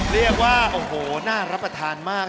เรียกว่าโอ้โหน่ารับประทานมาก